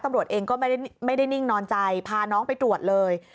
ตำรวจเองก็ไม่ได้นิ่งนอนใจพาน้องไปตรวจเลย